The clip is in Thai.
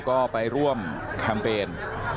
ก็ไปร่วมแคมเปญ